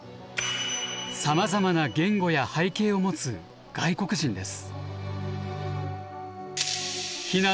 さまざまな言語や背景を持つ外国人です。